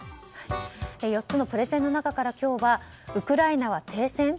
４つのプレゼンの中から今日はウクライナは停戦？